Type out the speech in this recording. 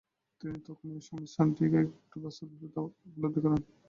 তিনি তখন এই মিশ্রণটিকে একটি বস্তুরূপে উপলব্ধি করেন।